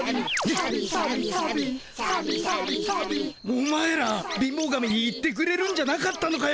お前ら貧乏神に言ってくれるんじゃなかったのかよ。